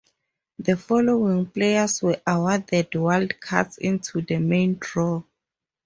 The following players were awarded wildcards into the main draw.